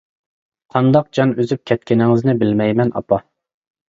قانداق جان ئۈزۈپ كەتكىنىڭىزنى بىلمەيمەن ئاپا.